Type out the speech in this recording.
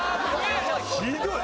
ひどい！